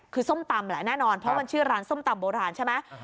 คือส้มตำแหละแน่นอนเพราะมันชื่อร้านส้มตำโบราณใช่ไหม